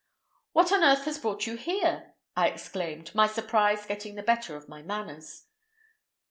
"What on earth has brought you here?" I exclaimed, my surprise getting the better of my manners.